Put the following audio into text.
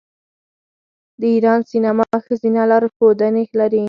د ایران سینما ښځینه لارښودانې لري.